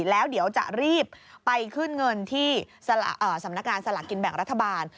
แล้วเดี๋ยวจะรีบไปขึ้นเงินที่สำนักงานสลากกินแบ่งรัฐบาล